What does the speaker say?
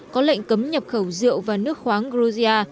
có lệnh cấm nhập khẩu rượu và nước khoáng georgia